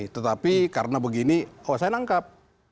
tetapi karena begini saya langkap